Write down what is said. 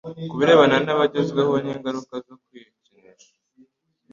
Ku birebana n'abagezweho n'ingaruka zo kwikinisha,